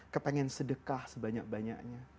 kepengin sedekah sebanyak banyaknya